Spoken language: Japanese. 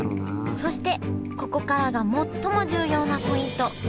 そしてここからが最も重要なポイント。